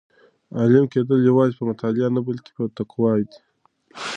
عالم کېدل یوازې په مطالعې نه بلکې په تقوا دي.